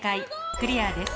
クリアです。